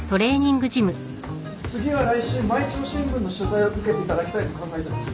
次は来週毎朝新聞の取材を受けていただきたいと考えてます。